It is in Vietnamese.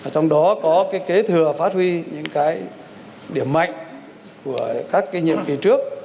trong đó có cái kế thừa phát huy những cái điểm mạnh của các cái nhiệm kỳ trước